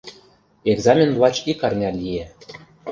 Экзамен лач ик арня лие.